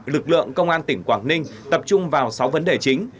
lực lượng công an tỉnh quảng ninh tập trung vào sáu vấn đề chính